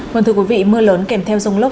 vâng thưa quý vị mưa lớn kèm theo dông lốc